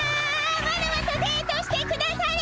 ワラワとデートしてくだされ！